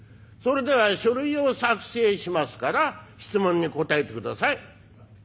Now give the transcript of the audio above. それでは書類を作成しますから質問に答えてください」。